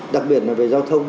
đặc biệt là về giao thông